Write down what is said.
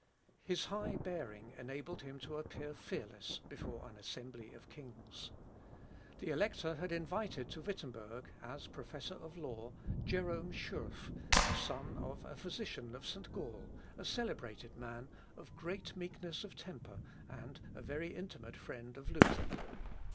His high bearing enabled him to appear fearless before an assembly of kings. The Elector had invited to Wittemberg, as professor of law, Jerome Schurff, the son of a physician of St. Gall, a celebrated man, of great meekness of temper, and a very intimate friend of Luther.